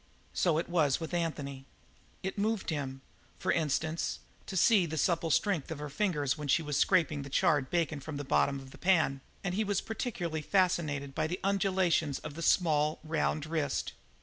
So it was with Anthony. It moved him, for instance, to see the supple strength of her fingers when she was scraping the charred bacon from the bottom of the pan, and he was particularly fascinated by the undulations of the small, round wrist.